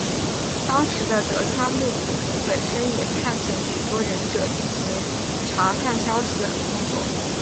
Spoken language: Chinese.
当时的德川幕府本身也派遣许多忍者进行查探消息的工作。